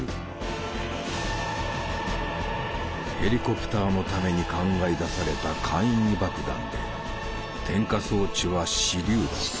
ヘリコプターのために考え出された簡易爆弾で点火装置は手りゅう弾。